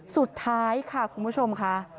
สุดท้ายค่ะคุณผู้ชมค่ะ